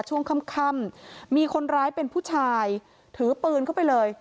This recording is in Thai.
ช่วงค่ำมีคนร้ายเป็นผู้ชายถือปืนเข้าไปเลย